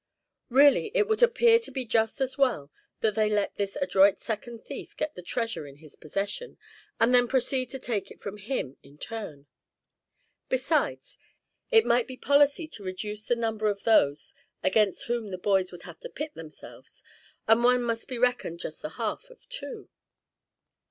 Really, it would appear to be just as well that they let this adroit second thief get the treasure in his possession, and then proceed to take it from him in turn. Besides, it might be policy to reduce the number of those against whom the boys would have to pit themselves; and one must be reckoned just the half of two.